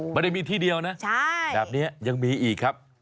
ไม่ได้มีที่เดียวนะแบบนี้ยังมีอีกครับ